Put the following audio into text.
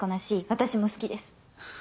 私も好きです。